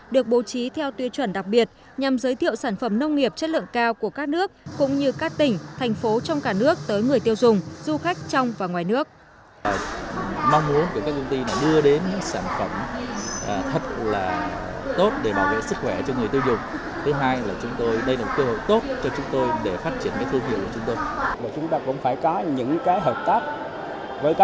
được bố trí theo tuyên chuẩn đặc biệt nhằm giới thiệu sản phẩm nông nghiệp chất lượng cao của các nước cũng như các tỉnh thành phố trong cả nước tới người tiêu dùng du khách trong và ngoài nước